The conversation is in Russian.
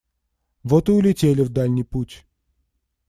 Вот и улетели в дальний путь.